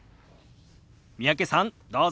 三宅さんどうぞ！